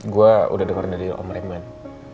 gue udah denger dari om raymond